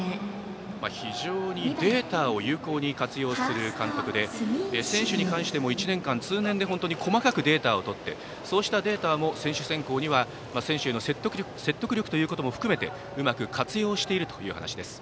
非常にデータを有効に活用する監督で選手に関しても１年間、通年で細かくデータを取ってそうしたデータを選手選考では選手への説得力ということも含めうまく活用しているという話です。